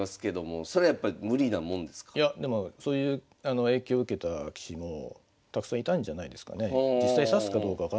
いやでもそういう影響を受けた棋士もたくさんいたんじゃないですかね。